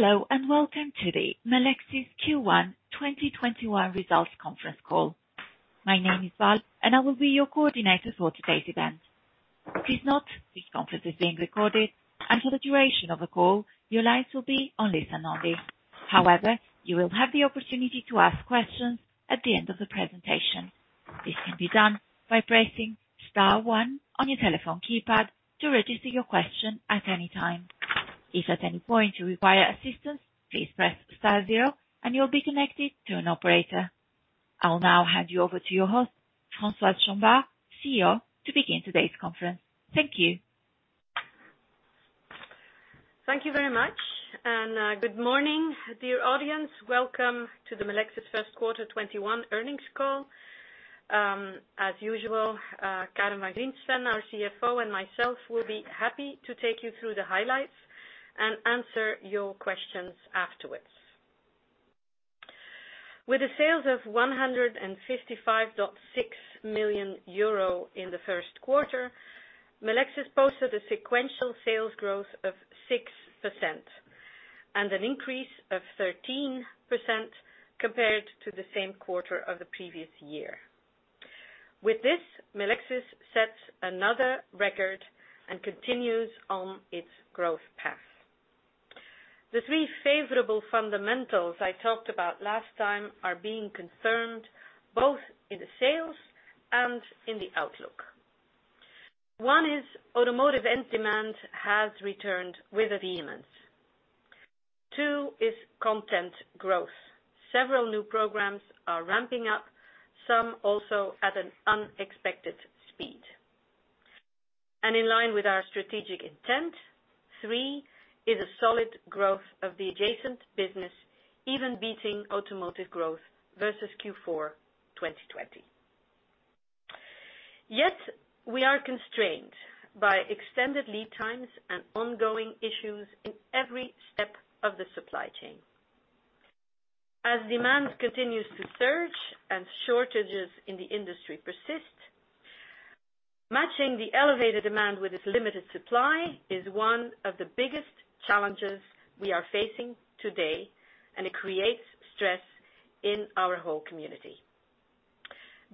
Hello, and welcome to the Melexis Q1 2021 results conference call. My name is Val, and I will be your coordinator for today's event. Please note, this conference is being recorded, and for the duration of the call, your lines will be on listen-only. However, you will have the opportunity to ask questions at the end of the presentation. This can be done by pressing star one on your telephone keypad to register your question at any time. If at any point you require assistance, please press star zero and you'll be connected to an operator. I'll now hand you over to your host, Françoise Chombar, CEO, to begin today's conference. Thank you. Thank you very much. Good morning, dear audience. Welcome to the Melexis first quarter 2021 earnings call. As usual, Karen van Griensven, our CFO, and myself will be happy to take you through the highlights and answer your questions afterwards. With the sales of 155.6 million euro in the first quarter, Melexis posted a sequential sales growth of 6%, and an increase of 13% compared to the same quarter of the previous year. With this, Melexis sets another record and continues on its growth path. The three favorable fundamentals I talked about last time are being confirmed, both in the sales and in the outlook. One is automotive end demand has returned with a vehemence. Two is content growth. Several new programs are ramping up, some also at an unexpected speed. In line with our strategic intent, three is a solid growth of the adjacent business, even beating automotive growth versus Q4 2020. We are constrained by extended lead times and ongoing issues in every step of the supply chain. As demand continues to surge and shortages in the industry persist, matching the elevated demand with this limited supply is one of the biggest challenges we are facing today, and it creates stress in our whole community.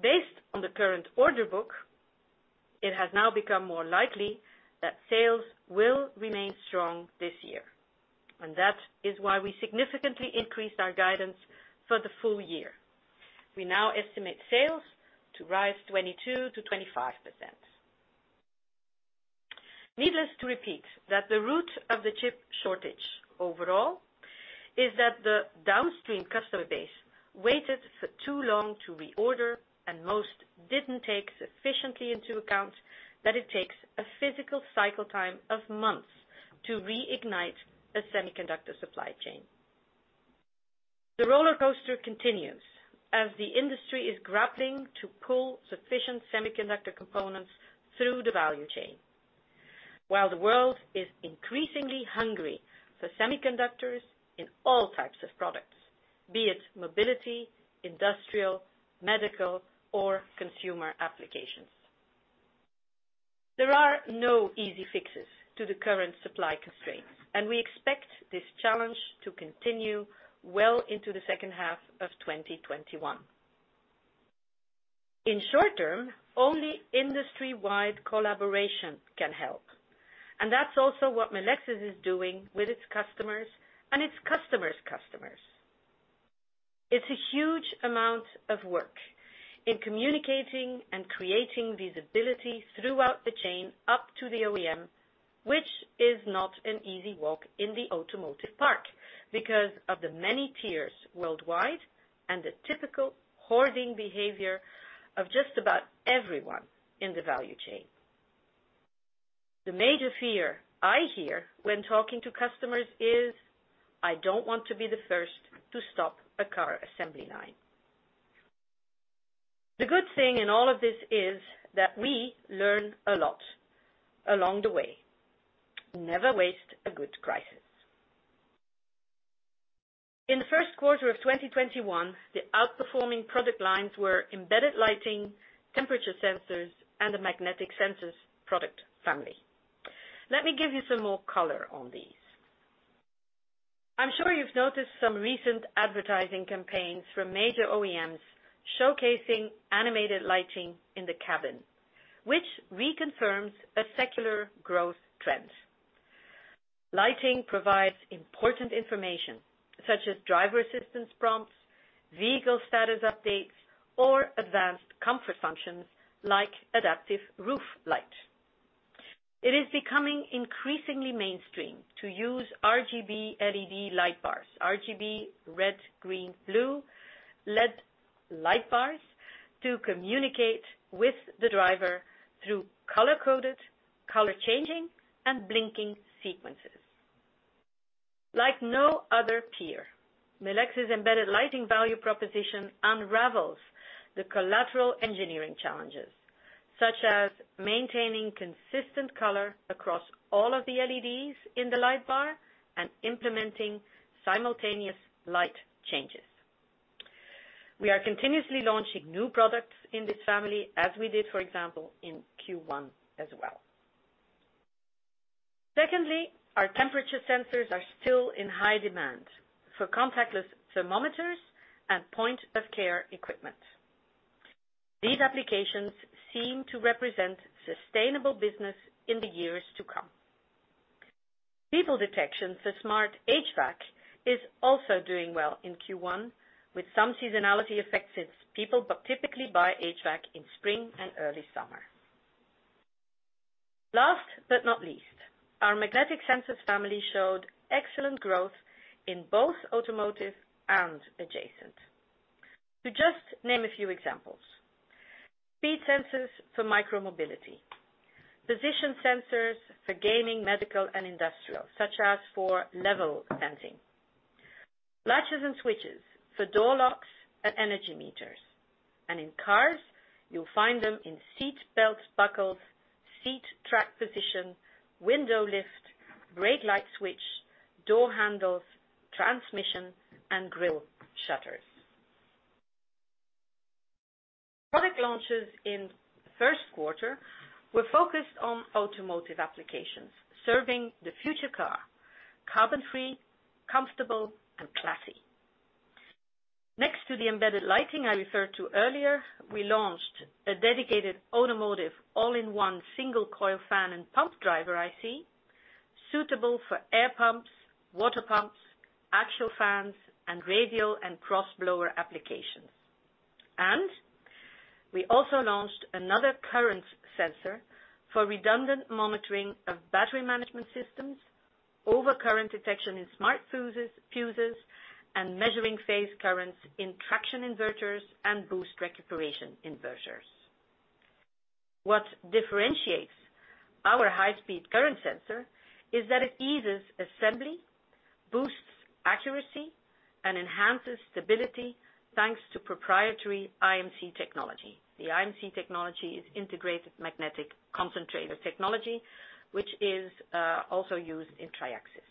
Based on the current order book, it has now become more likely that sales will remain strong this year, and that is why we significantly increased our guidance for the full year. We now estimate sales to rise 22% to 25%. Needless to repeat that the root of the chip shortage overall is that the downstream customer base waited for too long to reorder, and most didn't take sufficiently into account that it takes a physical cycle time of months to reignite a semiconductor supply chain. The rollercoaster continues as the industry is grappling to pull sufficient semiconductor components through the value chain. While the world is increasingly hungry for semiconductors in all types of products, be it mobility, industrial, medical, or consumer applications. There are no easy fixes to the current supply constraints, and we expect this challenge to continue well into the second half of 2021. In short term, only industry-wide collaboration can help, and that's also what Melexis is doing with its customers and its customers' customers. It's a huge amount of work in communicating and creating visibility throughout the chain up to the OEM, which is not an easy walk in the automotive park because of the many tiers worldwide and the typical hoarding behavior of just about everyone in the value chain. The major fear I hear when talking to customers is, "I don't want to be the first to stop a car assembly line." The good thing in all of this is that we learn a lot along the way. Never waste a good crisis. In the first quarter of 2021, the outperforming product lines were embedded lighting, temperature sensors, and the magnetic sensors product family. Let me give you some more color on these. I'm sure you've noticed some recent advertising campaigns from major OEMs showcasing animated lighting in the cabin, which reconfirms a secular growth trend. Lighting provides important information, such as driver assistance prompts, vehicle status updates, or advanced comfort functions like adaptive roof light. It is becoming increasingly mainstream to use RGB LED light bars, RGB, red, green, blue LED light bars, to communicate with the driver through color-coded, color-changing, and blinking sequences. Like no other tier, Melexis' embedded lighting value proposition unravels the collateral engineering challenges, such as maintaining consistent color across all of the LEDs in the light bar and implementing simultaneous light changes. We are continuously launching new products in this family as we did, for example, in Q1 as well. Secondly, our temperature sensors are still in high demand for contactless thermometers and point-of-care equipment. These applications seem to represent sustainable business in the years to come. People detection for smart HVAC is also doing well in Q1, with some seasonality effects since people typically buy HVAC in spring and early summer. Last but not least, our magnetic sensors family showed excellent growth in both automotive and adjacent. To just name a few examples, speed sensors for micro-mobility, position sensors for gaming, medical and industrial, such as for level sensing. Latches and switches for door locks and energy meters, and in cars, you'll find them in seat belt buckles, seat track position, window lift, brake light switch, door handles, transmission, and grille shutters. Product launches in the first quarter were focused on automotive applications, serving the future car: carbon free, comfortable and classy. Next to the embedded lighting I referred to earlier, we launched a dedicated automotive all-in-one single coil fan and pump driver IC, suitable for air pumps, water pumps, axial fans, and radial and cross blower applications. We also launched another current sensor for redundant monitoring of battery management systems, overcurrent detection in smart fuses, and measuring phase currents in traction inverters and boost recuperation inverters. What differentiates our high-speed current sensor is that it eases assembly, boosts accuracy, and enhances stability, thanks to proprietary IMC technology. The IMC technology is integrated magnetic concentrator technology, which is also used in Triaxis.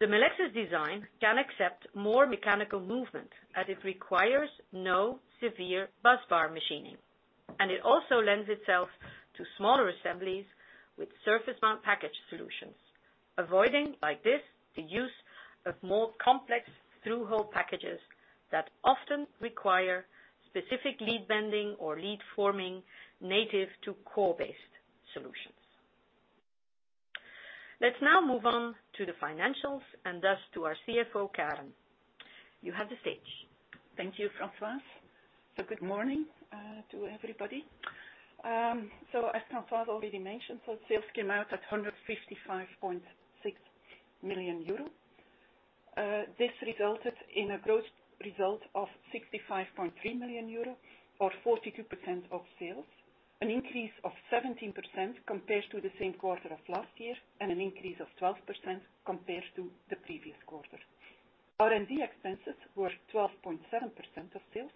The Melexis design can accept more mechanical movement as it requires no severe busbar machining, and it also lends itself to smaller assemblies with surface mount package solutions, avoiding like this, the use of more complex through-hole packages that often require specific lead bending or lead forming native to core-based solutions. Let's now move on to the financials and thus to our CFO, Karen. You have the stage. Thank you, Françoise. Good morning to everybody. As Françoise already mentioned, sales came out at 155.6 million euro. This resulted in a gross result of 65.3 million euro or 42% of sales, an increase of 17% compared to the same quarter of last year, and an increase of 12% compared to the previous quarter. R&D expenses were 12.7% of sales.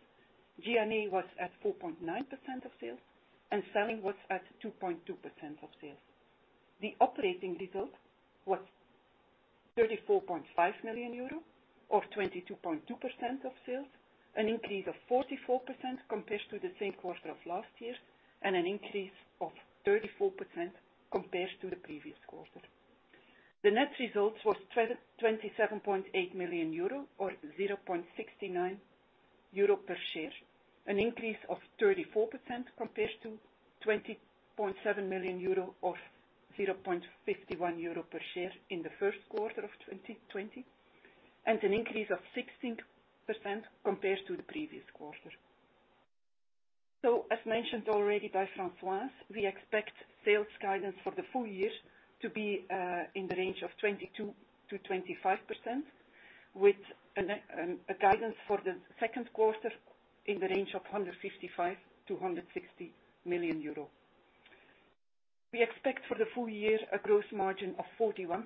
G&A was at 4.9% of sales, and selling was at 2.2% of sales. The operating result was 34.5 million euro, or 22.2% of sales, an increase of 44% compared to the same quarter of last year, and an increase of 34% compared to the previous quarter. The net result was 27.8 million euro or 0.69 euro per share, an increase of 34% compared to 20.7 million euro or 0.51 euro per share in the first quarter of 2020, and an increase of 16% compared to the previous quarter. As mentioned already by Françoise, we expect sales guidance for the full year to be in the range of 22%-25%, with a guidance for the second quarter in the range of 155 million-160 million euro. We expect for the full year a gross margin of 41%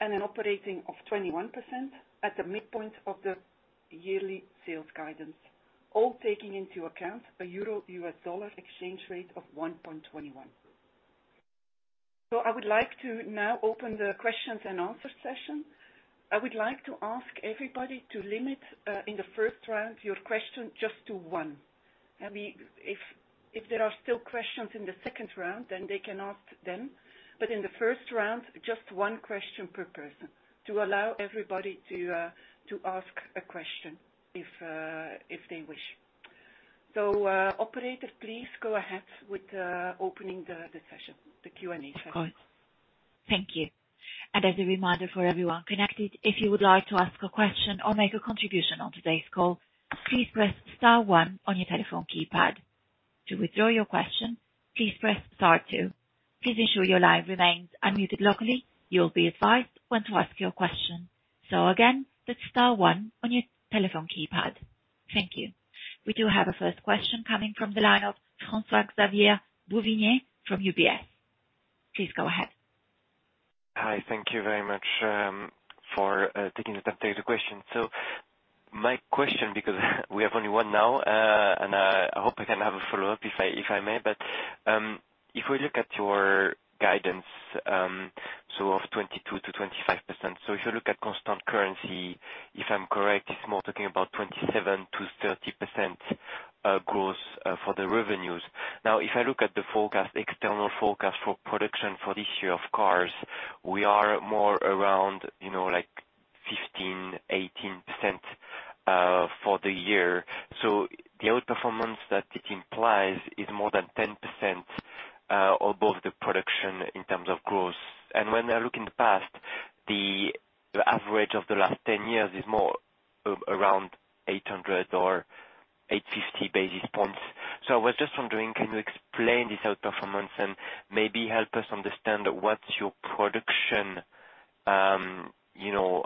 and an operating of 21% at the midpoint of the yearly sales guidance, all taking into account a euro-U.S. dollar exchange rate of 1.21. I would like to now open the questions and answer session. I would like to ask everybody to limit, in the first round, your question just to one. If there are still questions in the second round, then they can ask then. In the first round, just one question per person to allow everybody to ask a question if they wish. Operator, please go ahead with opening the session, the Q&A session. Of course. Thank you. As a reminder for everyone connected, if you would like to ask a question or make a contribution on today's call, please press star one on your telephone keypad. To withdraw your question, please press star two. Please ensure your line remains unmuted locally. You'll be advised when to ask your question. Again, it's star one on your telephone keypad. Thank you. We do have a first question coming from the line of François-Xavier Bouvignies from UBS. Please go ahead. Hi. Thank you very much for taking the time to take the question. My question, because we have only one now, and I hope I can have a follow-up, if I may. If we look at your guidance. Of 22%-25%. If you look at constant currency, if I'm correct, it's more talking about 27%-30% growth for the revenues. If I look at the external forecast for production for this year of cars, we are more around 15%-18% for the year. The outperformance that it implies is more than 10% above the production in terms of growth. When I look in the past, the average of the last 10 years is more around 800 or 850 basis points. I was just wondering, can you explain this outperformance and maybe help us understand what's your production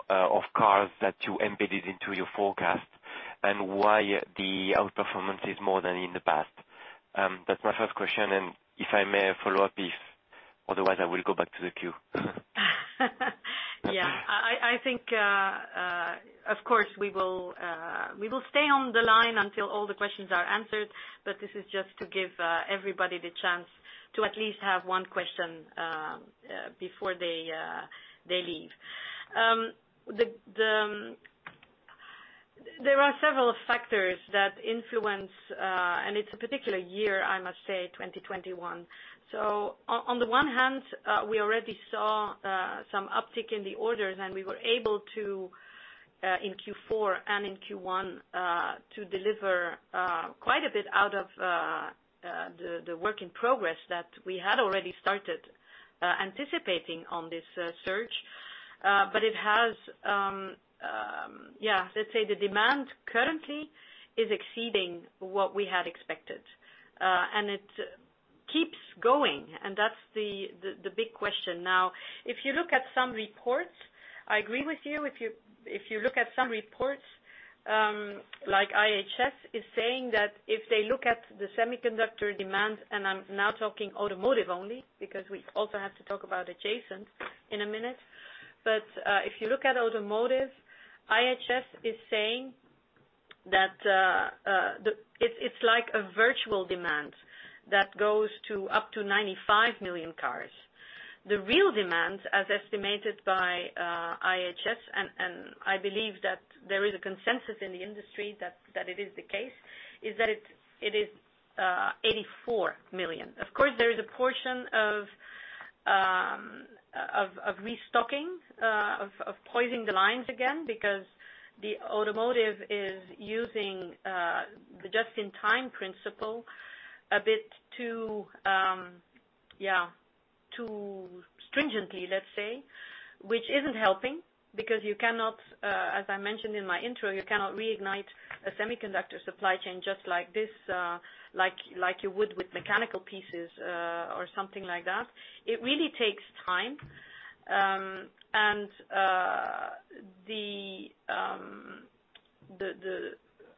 of cars that you embedded into your forecast and why the outperformance is more than in the past? That's my first question, and if I may follow up, Otherwise, I will go back to the queue. Yeah. I think, of course, we will stay on the line until all the questions are answered, this is just to give everybody the chance to at least have one question before they leave. There are several factors that influence, it's a particular year, I must say, 2021. On the one hand, we already saw some uptick in the orders, we were able to, in Q4 and in Q1, to deliver quite a bit out of the work in progress that we had already started anticipating on this surge. Let's say the demand currently is exceeding what we had expected. It keeps going, and that's the big question. Now, if you look at some reports, I agree with you. If you look at some reports, like IHS is saying that if they look at the semiconductor demand, and I'm now talking automotive only, because we also have to talk about adjacent in a minute, but if you look at automotive, IHS is saying that it's like a virtual demand that goes to up to 95 million cars. The real demand, as estimated by IHS, and I believe that there is a consensus in the industry that it is the case, is that it is 84 million. Of course, there is a portion of restocking, of poising the lines again, because the automotive is using the just-in-time principle a bit too stringently, let's say, which isn't helping, because you cannot, as I mentioned in my intro, you cannot reignite a semiconductor supply chain just like this, like you would with mechanical pieces or something like that. It really takes time.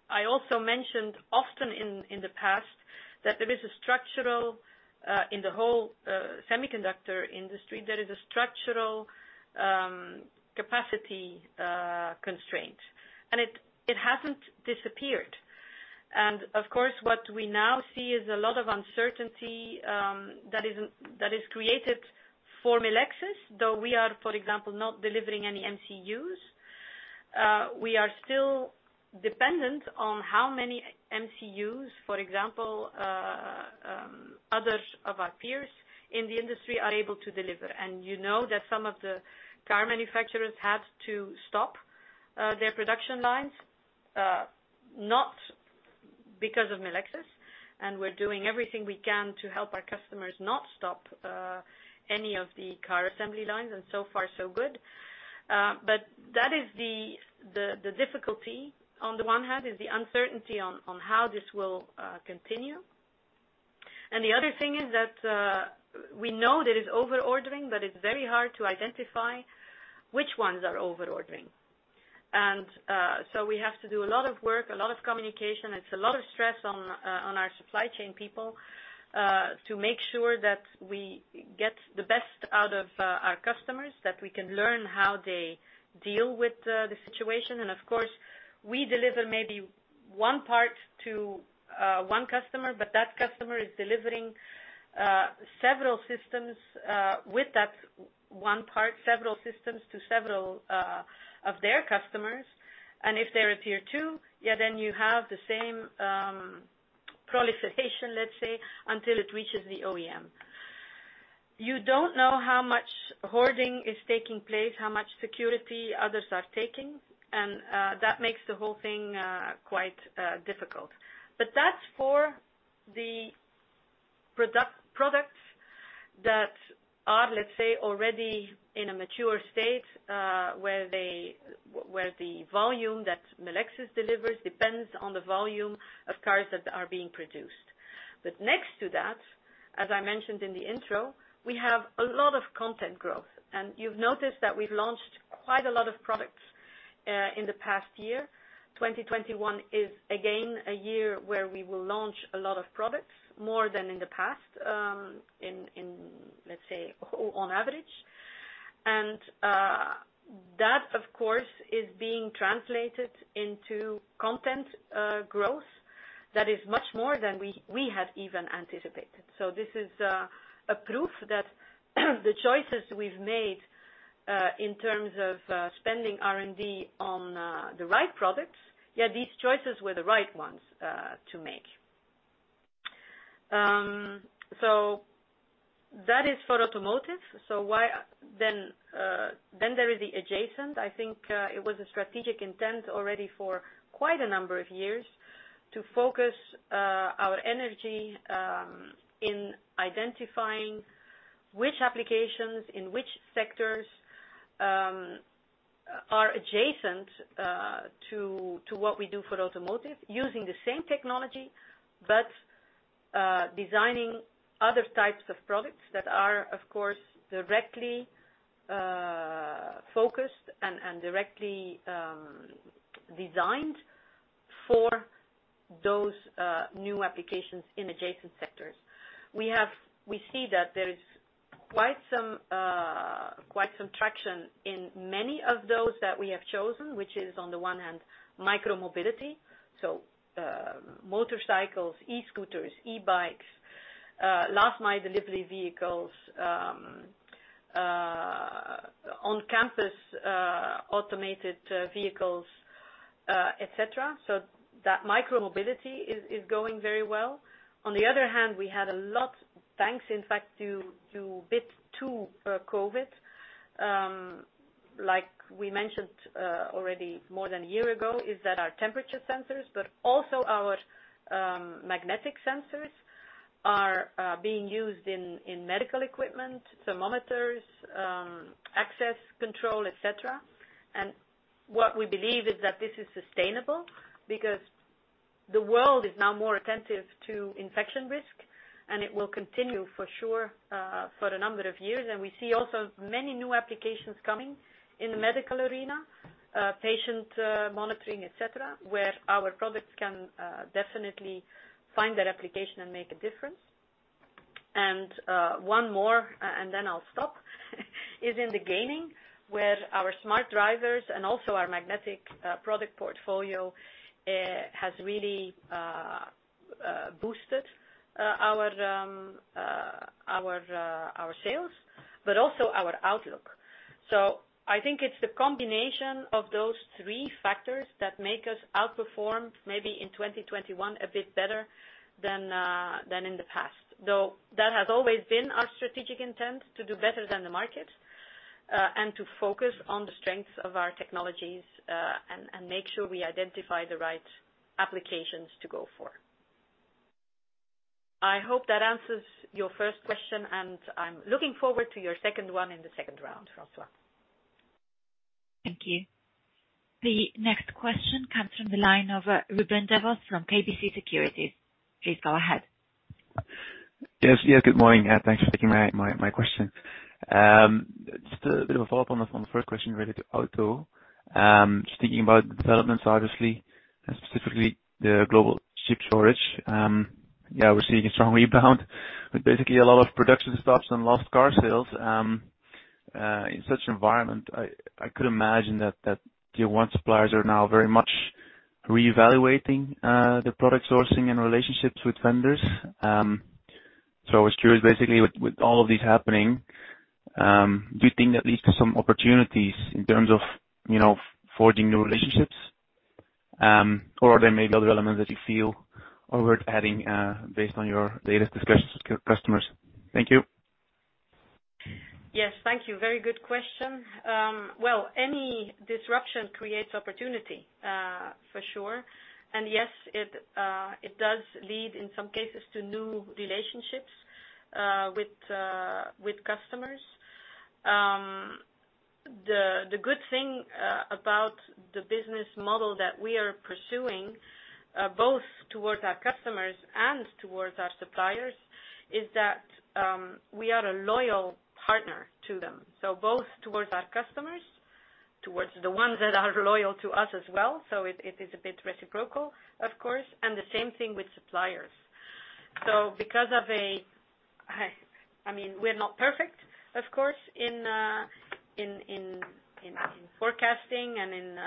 I also mentioned often in the past that in the whole semiconductor industry, there is a structural capacity constraint, and it hasn't disappeared. Of course, what we now see is a lot of uncertainty that is created for Melexis. Though we are, for example, not delivering any MCUs, we are still dependent on how many MCUs, for example, others of our peers in the industry are able to deliver. You know that some of the car manufacturers had to stop their production lines, not because of Melexis, and we're doing everything we can to help our customers not stop any of the car assembly lines, and so far so good. That is the difficulty, on the one hand, is the uncertainty on how this will continue. The other thing is that we know there is over-ordering, but it's very hard to identify which ones are over-ordering. So we have to do a lot of work, a lot of communication. It's a lot of stress on our supply chain people, to make sure that we get the best out of our customers, that we can learn how they deal with the situation. Of course, we deliver maybe one part to one customer, but that customer is delivering several systems with that one part, several systems to several of their customers. If they're a Tier 2, then you have the same proliferation, let's say, until it reaches the OEM. You don't know how much hoarding is taking place, how much security others are taking, and that makes the whole thing quite difficult. That's for the products that are, let's say, already in a mature state, where the volume that Melexis delivers depends on the volume of cars that are being produced. Next to that, as I mentioned in the intro, we have a lot of content growth. You've noticed that we've launched quite a lot of products in the past year. 2021 is again a year where we will launch a lot of products, more than in the past, let's say, on average. That, of course, is being translated into content growth that is much more than we had even anticipated. This is a proof that the choices we've made, in terms of spending R&D on the right products, these choices were the right ones to make. That is for automotive. There is the adjacent. I think it was a strategic intent already for quite a number of years to focus our energy in identifying which applications in which sectors are adjacent to what we do for automotive, using the same technology, but designing other types of products that are, of course, directly focused and directly designed for those new applications in adjacent sectors. We see that there is quite some traction in many of those that we have chosen, which is on the one hand, micro-mobility. Motorcycles, e-scooters, e-bikes, last mile delivery vehicles, on-campus automated vehicles, et cetera. That micro-mobility is going very well. On the other hand, we had a lot, thanks in fact due to COVID, like we mentioned already more than a year ago, is that our temperature sensors, but also our magnetic sensors, are being used in medical equipment, thermometers, access control, et cetera. What we believe is that this is sustainable because the world is now more attentive to infection risk, and it will continue for sure for a number of years. We see also many new applications coming in the medical arena, patient monitoring, et cetera, where our products can definitely find their application and make a difference. One more, and then I'll stop, is in the gaming, where our smart drivers and also our magnetic product portfolio has really boosted our sales, but also our outlook. I think it's the combination of those three factors that make us outperform maybe in 2021 a bit better than in the past. Though, that has always been our strategic intent, to do better than the market, and to focus on the strengths of our technologies, and make sure we identify the right applications to go for. I hope that answers your first question, and I'm looking forward to your second one in the second round, François. Thank you. The next question comes from the line of Ruben Devos from KBC Securities. Please go ahead. Yes. Good morning. Thanks for taking my question. A bit of a follow-up on the first question related to auto. Thinking about the developments, obviously, and specifically the global chip shortage. We're seeing a strong rebound with basically a lot of production stops and lost car sales. In such an environment, I could imagine that Tier 1 suppliers are now very much reevaluating their product sourcing and relationships with vendors. I was curious, basically, with all of this happening, do you think that leads to some opportunities in terms of forging new relationships? Are there maybe other elements that you feel are worth adding based on your latest discussions with customers? Thank you. Yes. Thank you. Very good question. Well, any disruption creates opportunity, for sure. Yes, it does lead in some cases to new relationships with customers. The good thing about the business model that we are pursuing, both towards our customers and towards our suppliers, is that we are a loyal partner to them. Both towards our customers, towards the ones that are loyal to us as well. It is a bit reciprocal, of course, and the same thing with suppliers. I mean, we're not perfect, of course, in forecasting and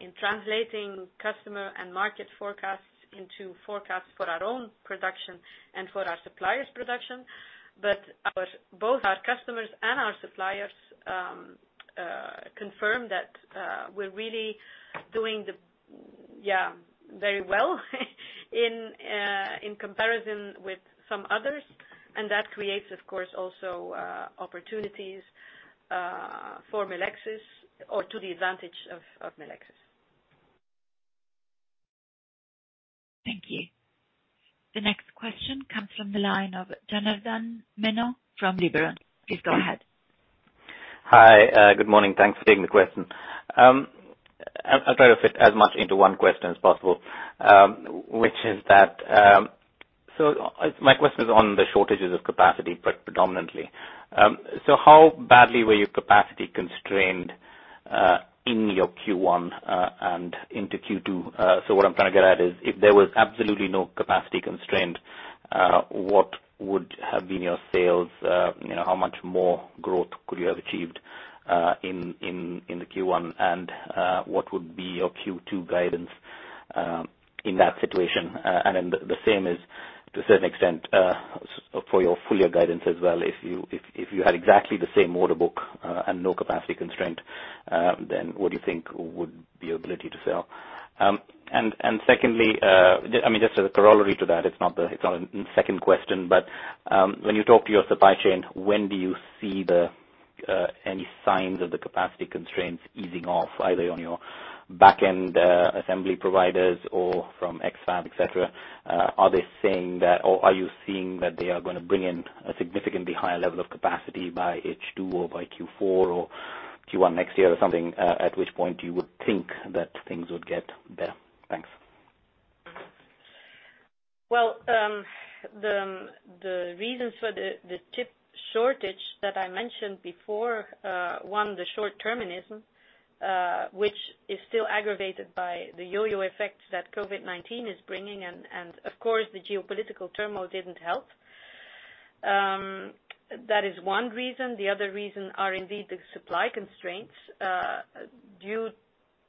in translating customer and market forecasts into forecasts for our own production and for our suppliers' production. Both our customers and our suppliers confirm that we're really doing very well in comparison with some others, and that creates, of course, also opportunities for Melexis or to the advantage of Melexis. Thank you. The next question comes from the line of Janardan Menon from Liberum. Please go ahead. Hi, good morning. Thanks for taking the question. I'll try to fit as much into one question as possible. My question is on the shortages of capacity predominantly. How badly were you capacity constrained in your Q1, and into Q2? What I am trying to get at is if there was absolutely no capacity constraint. What would have been your sales, how much more growth could you have achieved in the Q1, and what would be your Q2 guidance in that situation? The same is to a certain extent for your full year guidance as well. If you had exactly the same order book and no capacity constraint, what do you think would be your ability to sell? Secondly, just as a corollary to that, it's not a second question, but when you talk to your supply chain, when do you see any signs of the capacity constraints easing off, either on your back end assembly providers or from X-FAB, et cetera? Are they saying that, or are you seeing that they are going to bring in a significantly higher level of capacity by H2 or by Q4 or Q1 next year or something at which point you would think that things would get better? Thanks. Well, the reasons for the chip shortage that I mentioned before, one, the short-terminism, which is still aggravated by the yo-yo effects that COVID-19 is bringing, of course, the geopolitical turmoil didn't help. That is one reason. The other reason are indeed the supply constraints due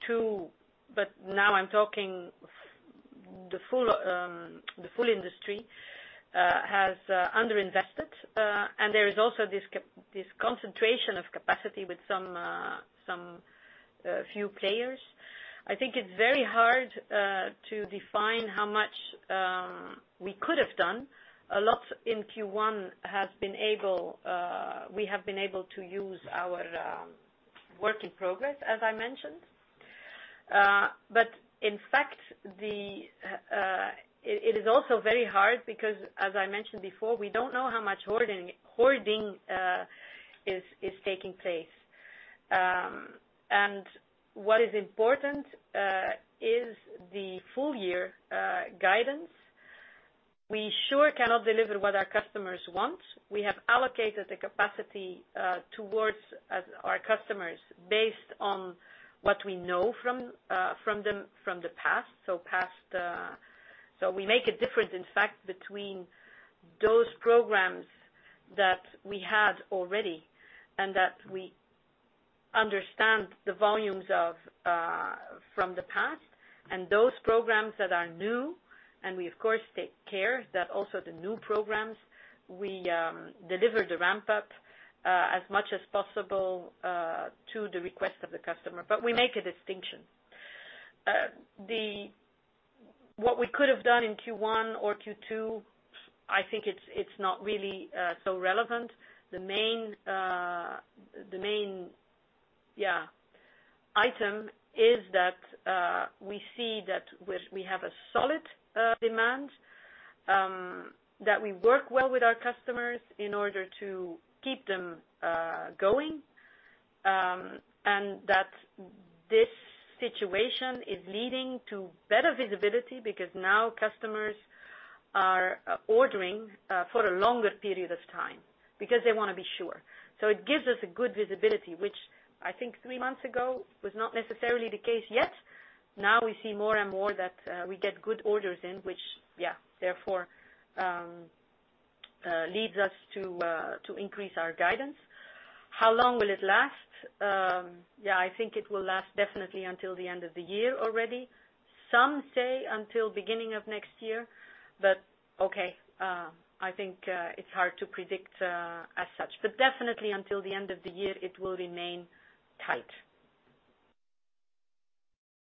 to, now I'm talking the full industry has under-invested. There is also this concentration of capacity with some few players. I think it's very hard to define how much we could have done. A lot in Q1, we have been able to use our work in progress, as I mentioned. In fact, it is also very hard because, as I mentioned before, we don't know how much hoarding is taking place. What is important is the full year guidance. We sure cannot deliver what our customers want. We have allocated the capacity towards our customers based on what we know from the past. We make a difference, in fact, between those programs that we had already and that we understand the volumes of from the past, and those programs that are new. We, of course, take care that also the new programs, we deliver the ramp-up as much as possible to the request of the customer. We make a distinction. What we could have done in Q1 or Q2, I think it's not really so relevant. The main item is that we see that we have a solid demand, that we work well with our customers in order to keep them going, and that this situation is leading to better visibility because now customers are ordering for a longer period of time because they want to be sure. It gives us a good visibility, which I think three months ago was not necessarily the case yet. Now we see more and more that we get good orders in which, therefore, leads us to increase our guidance. How long will it last? I think it will last definitely until the end of the year already. Some say until beginning of next year, but okay, I think it's hard to predict as such, but definitely until the end of the year, it will remain tight.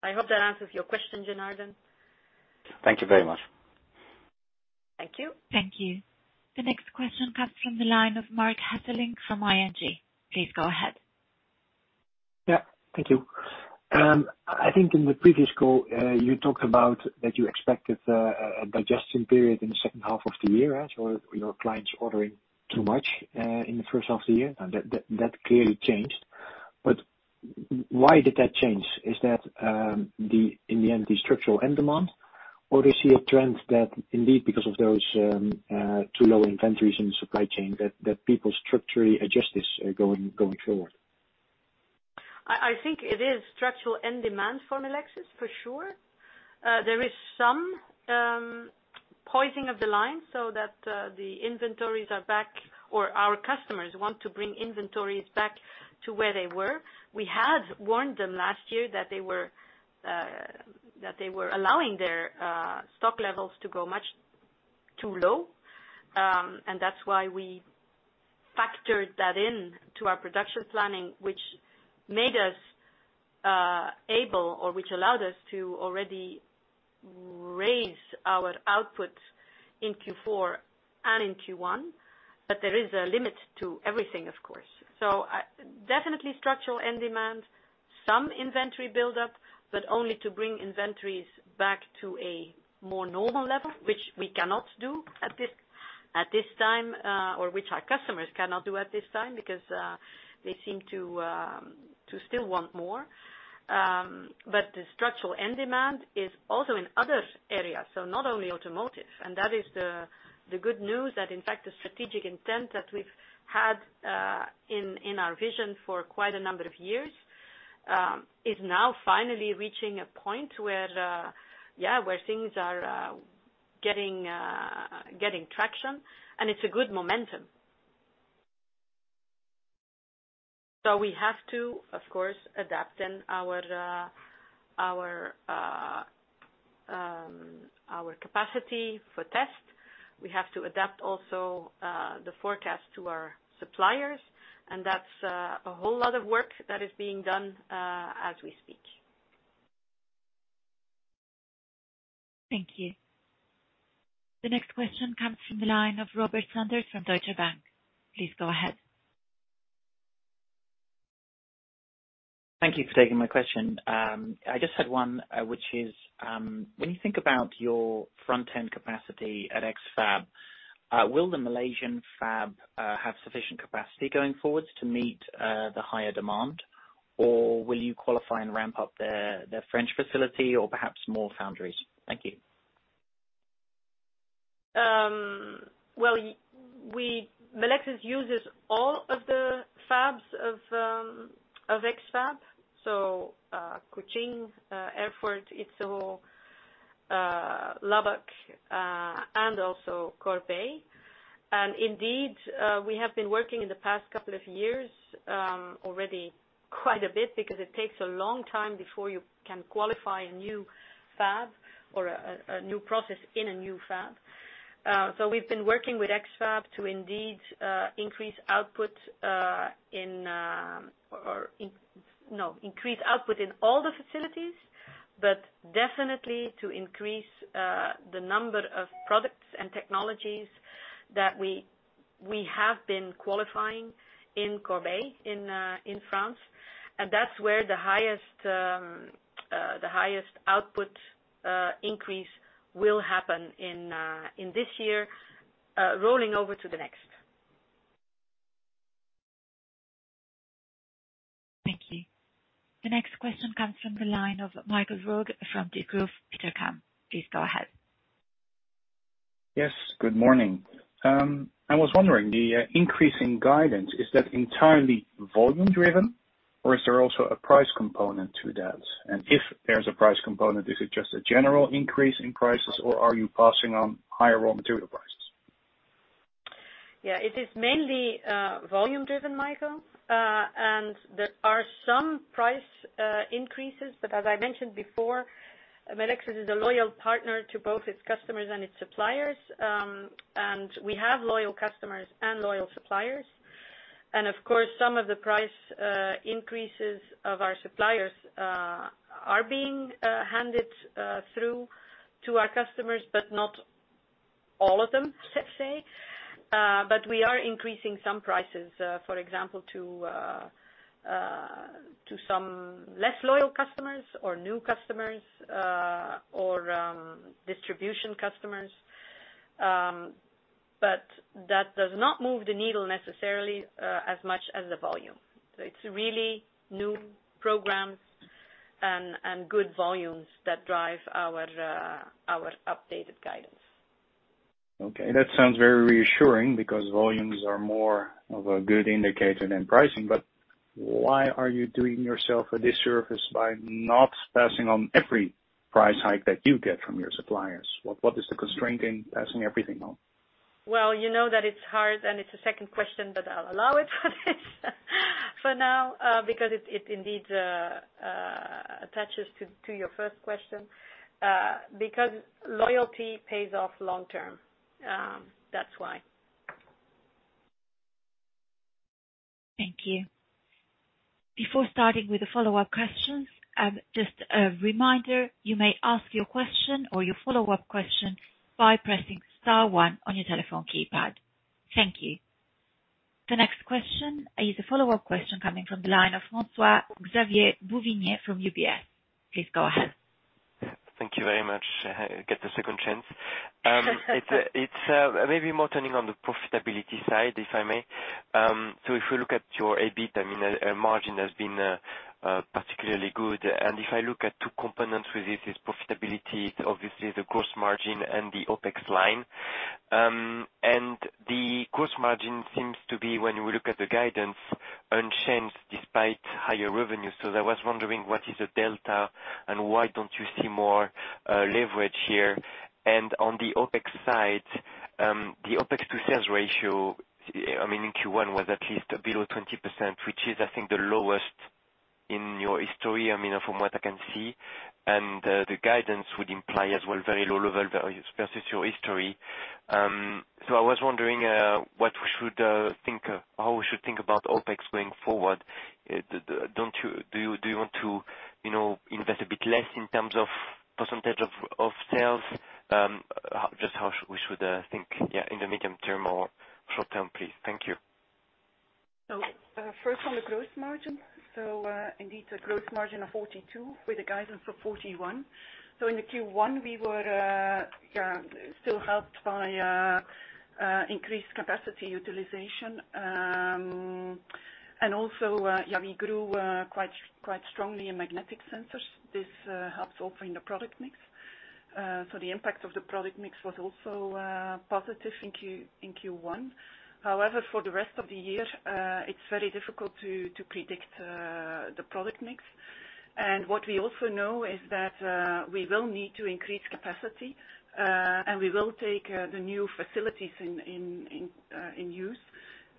I hope that answers your question, Janardan. Thank you very much. Thank you. Thank you. The next question comes from the line of Marc Hesselink from ING. Please go ahead. Yeah. Thank you. I think in the previous call, you talked about that you expected a digestion period in the second half of the year as your clients ordering too much in the first half of the year. That clearly changed. Why did that change? Is that in the end, the structural end demand, or do you see a trend that indeed because of those too low inventories in the supply chain, that people structurally adjust this going forward? I think it is structural end demand for Melexis for sure. There is some poising of the line so that the inventories are back, or our customers want to bring inventories back to where they were. We had warned them last year that they were allowing their stock levels to go much too low, and that's why we factored that in to our production planning, which made us able or which allowed us to already raise our output in Q4 and in Q1. There is a limit to everything, of course. Definitely structural end demand, some inventory buildup, but only to bring inventories back to a more normal level, which we cannot do at this time or which our customers cannot do at this time because they seem to still want more. The structural end demand is also in other areas, so not only automotive, and that is the good news that in fact the strategic intent that we've had in our vision for quite a number of years is now finally reaching a point where things are getting traction, and it's a good momentum. We have to, of course, adapt in our capacity for test. We have to adapt also the forecast to our suppliers, and that's a whole lot of work that is being done as we speak. Thank you. The next question comes from the line of Robert Sanders from Deutsche Bank. Please go ahead. Thank you for taking my question. I just had one, which is, when you think about your front-end capacity at X-FAB, will the Malaysian fab have sufficient capacity going forward to meet the higher demand? Or will you qualify and ramp up their French facility or perhaps more foundries? Thank you. Well, Melexis uses all of the fabs of X-FAB, so Kuching, Erfurt, Itzehoe, Lubbock, and also Corbeil. Indeed, we have been working in the past couple of years already quite a bit because it takes a long time before you can qualify a new fab or a new process in a new fab. We've been working with X-FAB to indeed increase output in all the facilities, but definitely to increase the number of products and technologies that we have been qualifying in Corbeil, in France. That's where the highest output increase will happen in this year rolling over to the next. Thank you. The next question comes from the line of Michael Roeg from Degroof Petercam. Please go ahead. Yes, good morning. I was wondering, the increase in guidance, is that entirely volume-driven, or is there also a price component to that? If there's a price component, is it just a general increase in prices, or are you passing on higher raw material prices? Yeah, it is mainly volume-driven, Michael. There are some price increases, but as I mentioned before, Melexis is a loyal partner to both its customers and its suppliers. We have loyal customers and loyal suppliers. Of course, some of the price increases of our suppliers are being handed through to our customers, but not all of them, per se. We are increasing some prices, for example, to some less loyal customers or new customers, or distribution customers. That does not move the needle necessarily as much as the volume. It's really new programs and good volumes that drive our updated guidance. Okay. That sounds very reassuring because volumes are more of a good indicator than pricing. Why are you doing yourself a disservice by not passing on every price hike that you get from your suppliers? What is the constraint in passing everything on? Well, you know that it's hard, and it's a second question, but I'll allow it for now, because it indeed attaches to your first question. Loyalty pays off long term. That's why. Thank you. Before starting with the follow-up questions, just a reminder, you may ask your question or your follow-up question by pressing star one on your telephone keypad. Thank you. The next question is a follow-up question coming from the line of François-Xavier Bouvignies from UBS. Please go ahead. Thank you very much. I get a second chance. It's maybe more turning on the profitability side, if I may. If we look at your EBIT, margin has been particularly good. If I look at two components with this is profitability, it's obviously the gross margin and the OpEx line. The gross margin seems to be, when we look at the guidance, unchanged despite higher revenue. I was wondering what is the delta and why don't you see more leverage here? On the OpEx side, the OpEx to sales ratio in Q1 was at least below 20%, which is, I think, the lowest in your history from what I can see. The guidance would imply as well very low level versus your history. I was wondering how we should think about OpEx going forward. Do you want to invest a bit less in terms of percentage of sales? Just how we should think in the medium term or short term, please. Thank you. First on the gross margin. Indeed a gross margin of 42% with a guidance of 41%. In Q1, we were still helped by increased capacity utilization. Also we grew quite strongly in magnetic sensors. This helps also in the product mix. The impact of the product mix was also positive in Q1. However, for the rest of the year, it's very difficult to predict the product mix. What we also know is that we will need to increase capacity, and we will take the new facilities in use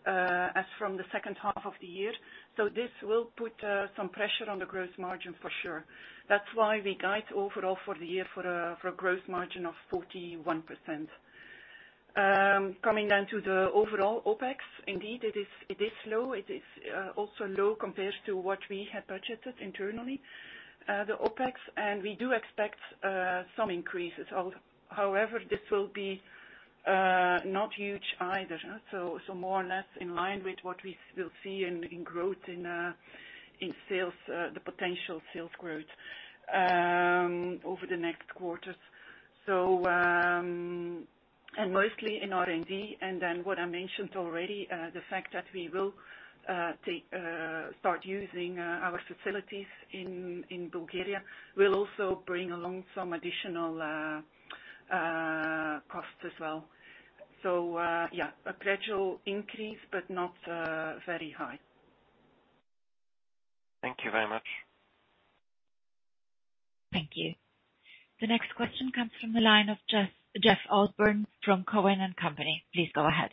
as from the second half of the year. This will put some pressure on the gross margin for sure. That's why we guide overall for the year for a gross margin of 41%. Coming down to the overall OpEx. Indeed, it is low. It is also low compared to what we had budgeted internally. The OpEx, and we do expect some increases. However, this will be not huge either. More or less in line with what we will see in growth in the potential sales growth over the next quarters. Mostly in R&D, and then what I mentioned already, the fact that we will start using our facilities in Bulgaria will also bring along some additional costs as well. Yes, a gradual increase, but not very high. Thank you very much. Thank you. The next question comes from the line of Jeff Osborne from Cowen and Company. Please go ahead.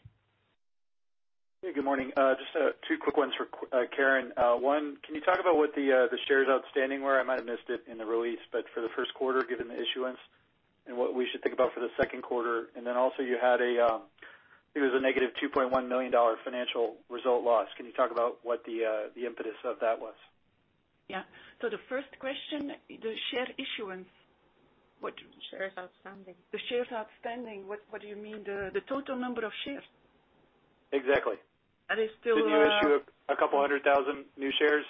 Hey, good morning. Just two quick ones for Karen. One, can you talk about what the shares outstanding were? I might have missed it in the release, but for the first quarter, given the issuance, and what we should think about for the second quarter. Also you had a negative EUR 2.1 million financial result loss. Can you talk about what the impetus of that was? Yeah. The first question, the share issuance. Shares outstanding. The shares outstanding. What do you mean? The total number of shares? Exactly. That is still- Didn't you issue a couple hundred thousand new shares?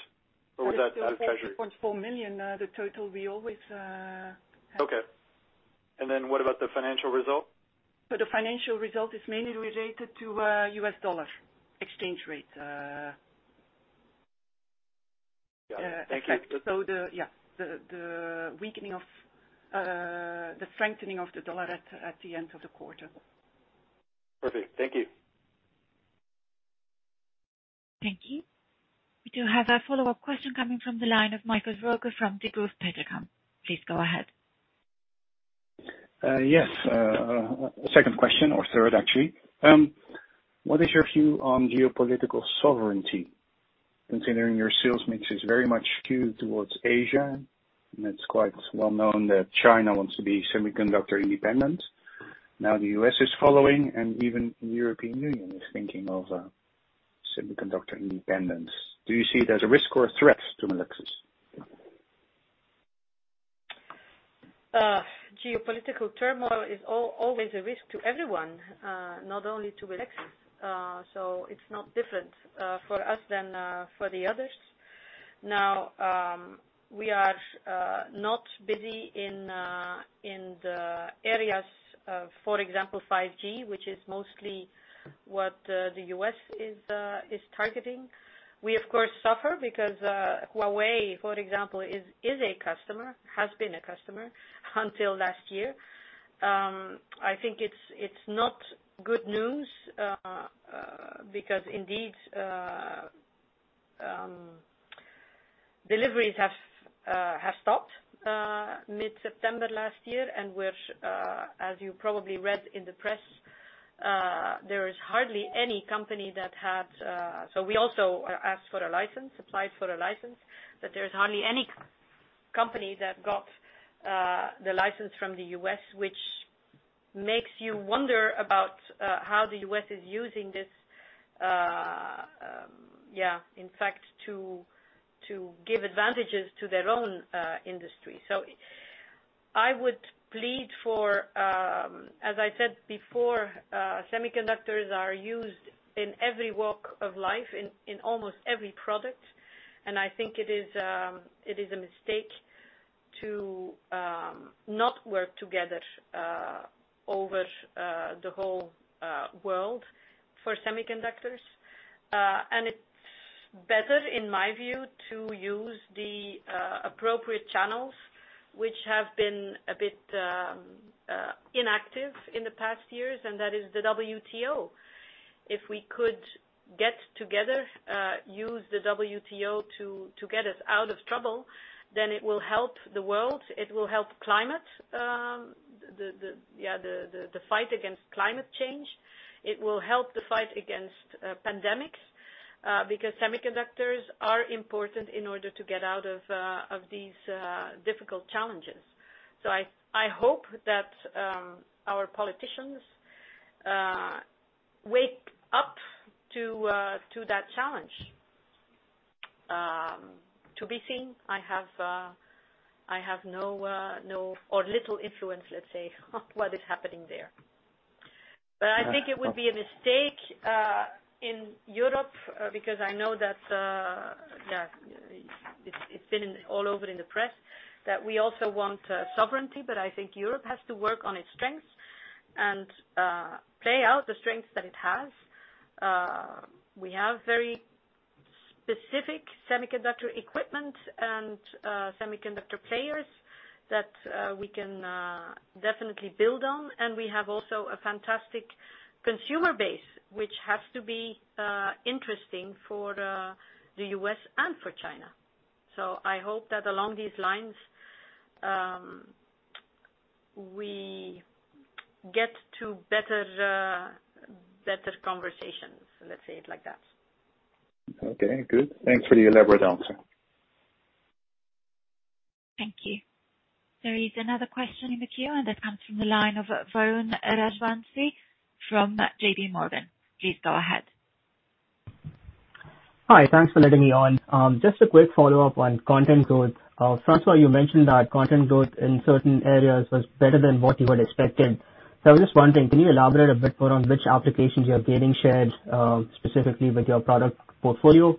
Was that treasury? That is still 3.4 million, the total we always have- Okay. What about the financial result? The financial result is mainly related to US dollar exchange rate. Got it. Thank you. The strengthening of the dollar at the end of the quarter. Perfect. Thank you. Thank you. We do have a follow-up question coming from the line of Michael Roeg from Degroof Petercam. Please go ahead. Yes. Second question or third, actually. What is your view on geopolitical sovereignty? Considering your sales mix is very much skewed towards Asia, and it's quite well known that China wants to be semiconductor independent. Now the U.S. is following, and even the European Union is thinking of semiconductor independence. Do you see it as a risk or a threat to Melexis? Geopolitical turmoil is always a risk to everyone, not only to Melexis. It's not different for us than for the others. Now, we are not busy in the areas of, for example, 5G, which is mostly what the U.S. is targeting. We, of course, suffer because Huawei, for example, is a customer, has been a customer until last year. I think it's not good news, because indeed, deliveries have stopped mid-September last year. We also asked for a license, applied for a license, but there's hardly any company that got the license from the U.S., which makes you wonder about how the U.S. is using this. In fact, to give advantages to their own industry. I would plead for, as I said before, semiconductors are used in every walk of life in almost every product, and I think it is a mistake to not work together over the whole world for semiconductors. It's better, in my view, to use the appropriate channels, which have been a bit inactive in the past years, and that is the WTO. If we could get together, use the WTO to get us out of trouble, then it will help the world. It will help climate, the fight against climate change. It will help the fight against pandemics, because semiconductors are important in order to get out of these difficult challenges. I hope that our politicians wake up to that challenge. To be seen, I have no or little influence, let's say, on what is happening there. I think it would be a mistake in Europe, because I know that it's been all over in the press that we also want sovereignty. I think Europe has to work on its strengths and play out the strengths that it has. We have very Specific semiconductor equipment and semiconductor players that we can definitely build on. We have also a fantastic consumer base, which has to be interesting for the U.S. and for China. I hope that along these lines, we get to better conversations, let's say it like that. Okay, good. Thanks for the elaborate answer. Thank you. There is another question in the queue, and that comes from the line of Varun Rajwanshi from JPMorgan. Please go ahead. Hi, thanks for letting me on. Just a quick follow-up on content growth. Françoise, you mentioned that content growth in certain areas was better than what you had expected. I was just wondering, can you elaborate a bit more on which applications you're gaining shares, specifically with your product portfolio?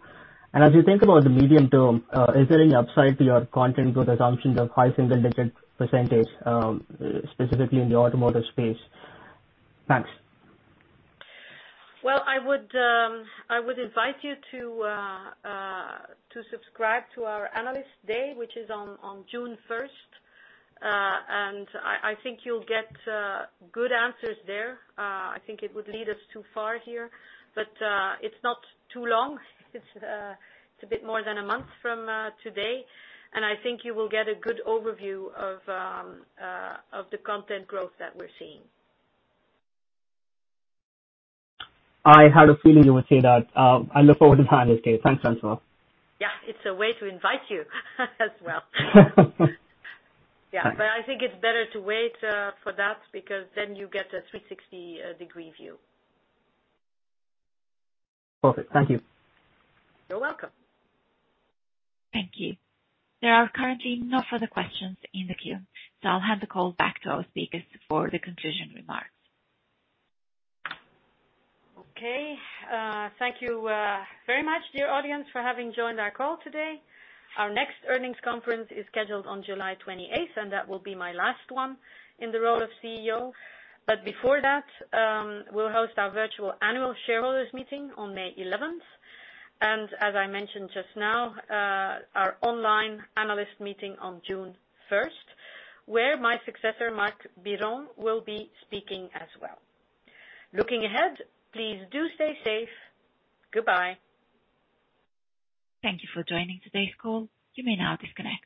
As you think about the medium term, is there any upside to your content growth assumptions of high single-digit percentage, specifically in the automotive space? Thanks. Well, I would advise you to subscribe to our Analyst Day, which is on June 1st, and I think you'll get good answers there. I think it would lead us too far here, but it's not too long. It's a bit more than a month from today, and I think you will get a good overview of the content growth that we're seeing. I had a feeling you would say that. I look forward to the Analyst Day. Thanks, François. Yeah. It's a way to invite you as well. Yeah. Thanks. I think it's better to wait for that because then you get a 360 degree view. Perfect. Thank you. You're welcome. Thank you. There are currently no further questions in the queue, I'll hand the call back to our speakers for the conclusion remarks. Okay. Thank you very much, dear audience, for having joined our call today. Our next earnings conference is scheduled on July 28th. That will be my last one in the role of CEO. Before that, we'll host our virtual annual shareholders meeting on May 11th. As I mentioned just now, our online analyst meeting on June 1st, where my successor, Marc Biron, will be speaking as well. Looking ahead, please do stay safe. Goodbye. Thank you for joining today's call. You may now disconnect.